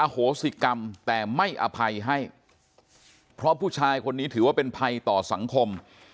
โหสิกรรมแต่ไม่อภัยให้เพราะผู้ชายคนนี้ถือว่าเป็นภัยต่อสังคม